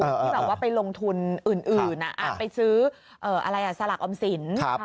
ที่แบบว่าไปลงทุนอื่นไปซื้ออะไรสลักออมสิน